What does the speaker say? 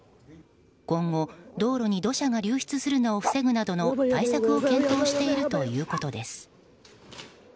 今後、道路に土砂が流出するのを防ぐなどの対策を検討しているということです。